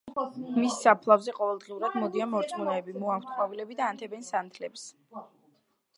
მის საფლავზე ყოველდღიურად მოდიან მორწმუნეები, მოაქვთ ყვავილები და ანთებენ სანთლებს.